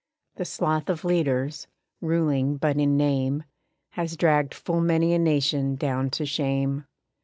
The sloth of leaders, ruling but in name, Has dragged full many a nation down to shame.